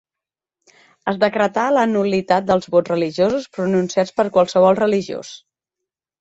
Es decretà la nul·litat dels vots religiosos pronunciats per qualsevol religiós.